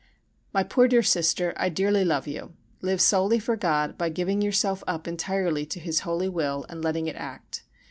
My poor dear Sister, I dearly love you. Live solely for God by giving yourself up entirely to His holy will and letting it act.